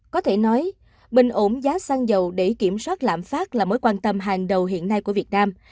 có thể nói bình ổn giá xăng dầu để kiểm soát lãm phát là mối quan tâm hàng đầu hiện nay của việt nam